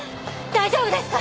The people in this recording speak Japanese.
大丈夫ですか？